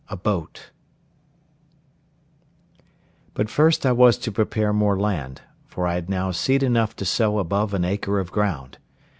A BOAT But first I was to prepare more land, for I had now seed enough to sow above an acre of ground.